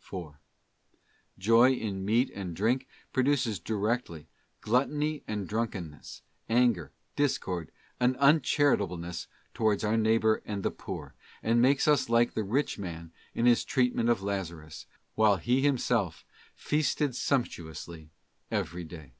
4. Joy in meat and drink produces directly gluttony and drunkenness, anger, discord, and uncharitableness towards our neighbour and the poor, and makes us like the Rich Man in his treatment of Lazarus, while he himself ' feasted sump tuously every day.